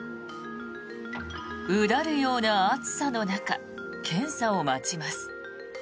うだるような暑さの中検査を待ちます。